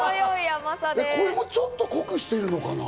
ちょっと濃くしてるのかな？